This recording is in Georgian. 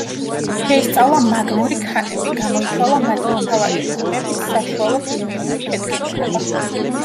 შეისწავლა მაგმური ქანები, გამოითვალა მათი მთავარი ტიპების საშუალო ქიმიური შედგენილობა.